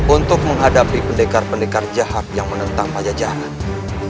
untuk menghadapi pendekar pendekar jahat yang menentang pajajaran